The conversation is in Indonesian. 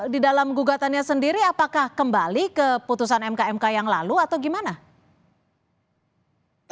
di dalam gugatannya sendiri apakah kembali ke putusan mk mk yang lalu atau gimana